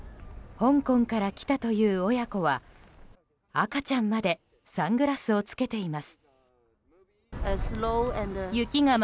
香港から来たという親子は赤ちゃんまでサングラスを着けています。